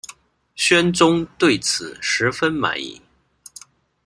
宣宗对此十分满意。